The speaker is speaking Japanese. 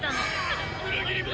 「裏切り者！」